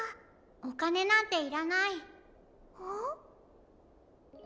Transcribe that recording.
おかねなんていらない。